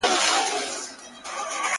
چوپه خوله سو له هغې ورځي ګونګی سو٫